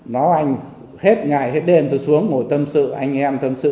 nó anh hết ngày hết đêm tôi xuống ngồi tâm sự anh em tâm sự